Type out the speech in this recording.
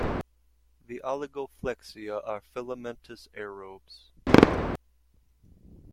The Oligoflexia are filamentous aerobes.